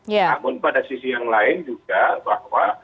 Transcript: namun pada sisi yang lain juga bahwa